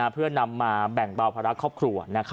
เพื่อนำมาแบ่งเบาภาระครอบครัว